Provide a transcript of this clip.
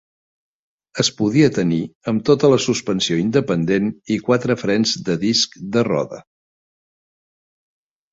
Es podia tenir amb tota la suspensió independent i quatre frens de disc de roda.